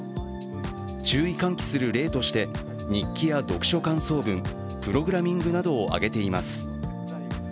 注意喚起する例として、日記や読書感想文、プログラミングなどを挙げています。